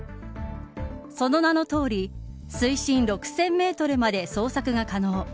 その名のとおり水深６０００メートルまで捜索が可能。